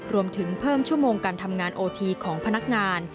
รวมถึงเพิ่มชั่วโมงการทำงานโอทีของพนักงาน